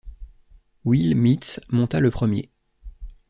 Will Mitz monta le premier.